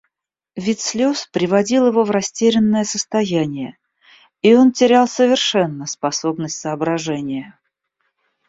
Вид слез приводил его в растерянное состояние, и он терял совершенно способность соображения.